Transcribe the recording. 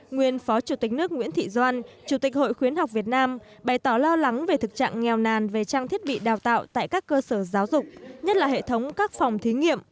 nguyên phó chủ tịch nước nguyễn thị doan chủ tịch hội khuyến học việt nam bày tỏ lo lắng về thực trạng nghèo nàn về trang thiết bị đào tạo tại các cơ sở giáo dục nhất là hệ thống các phòng thí nghiệm